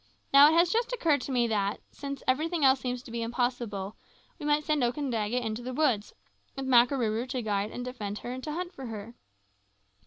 Now, it has just occurred to me that, since everything else seems to be impossible, we might send Okandaga into the woods, with Makarooroo to guide and defend her and to hunt for her.